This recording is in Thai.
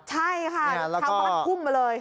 ใช่ค่ะทางประวัติภูมิไปเลย